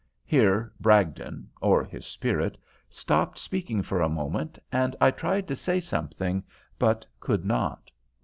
Here Bragdon, or his spirit, stopped speaking for a moment, and I tried to say something, but could not.